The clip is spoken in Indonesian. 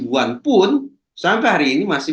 puan pun sampai hari ini masih